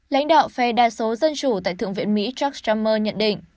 lãnh đạo phe đa số dân chủ tại thượng viện mỹ chuck schummer nhận định